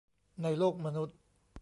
ในโลกมนุษย์